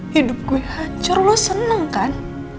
hidup gue hancur lo seneng kan